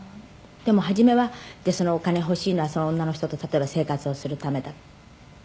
でも初めはお金が欲しいのはその女の人と例えば生活をするためだ」